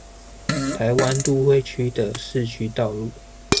台灣都會區的市區道路